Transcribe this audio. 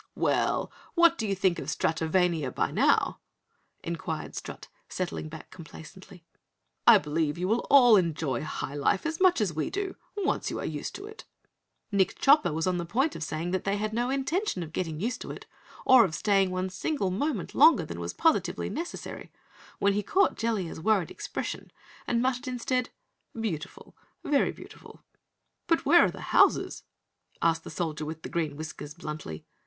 "Well, what do you think of Stratovania by now?" inquired Strut, settling back complacently. "I believe you will all enjoy high life as much as we do, once you are used to it." Nick Chopper was on the point of saying they had no intention of getting used to it, or of staying one single moment longer than was positively necessary, when he caught Jellia's worried expression and muttered instead. "Beautiful very beautiful." "But where are the houses?" asked the Soldier with Green Whiskers, bluntly.